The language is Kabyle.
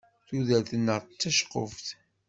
Tudert-nneɣ d taceqquft.